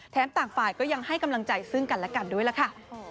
ต่างฝ่ายก็ยังให้กำลังใจซึ่งกันและกันด้วยล่ะค่ะ